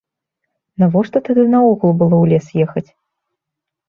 Навошта тады наогул было ў лес ехаць?